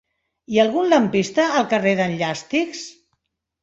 Hi ha algun lampista al carrer d'en Llàstics?